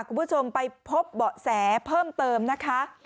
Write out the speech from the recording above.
คุณผู้ชมไปพบเบาะแสเพิ่มเติมนะคะ